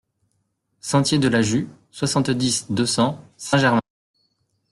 Sentier de la Jus, soixante-dix, deux cents Saint-Germain